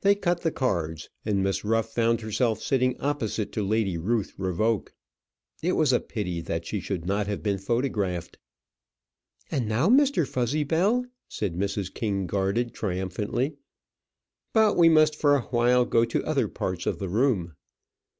They cut the cards, and Miss Ruff found herself sitting opposite to Lady Ruth Revoke. It was a pity that she should not have been photographed. "And now, Mr. Fuzzybell," said Mrs. King Garded, triumphantly. But we must for awhile go to other parts of the room.